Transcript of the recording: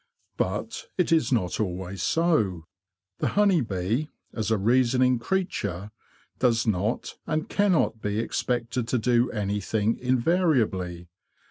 But it is not always so. The honey bee, as a reasoning creature, does not and cannot be expected to do anything invariably.